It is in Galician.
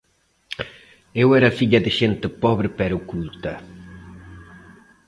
Eu era filla de xente pobre pero culta.